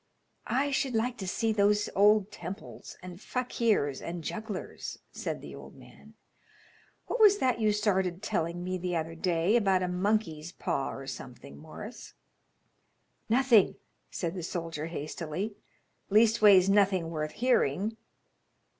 "I should like to see those old temples and fakirs and jugglers," said the old man. "What was that you started telling me the other day about a monkey's paw or something, Morris?" "Nothing," said the soldier, hastily. "Leastways nothing worth hearing."